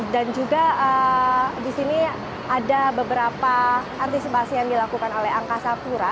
dan juga di sini ada beberapa antisipasi yang dilakukan oleh angkasa pura